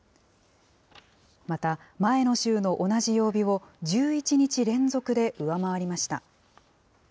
また、前の週の同じ曜日を１１日連続で上回りました。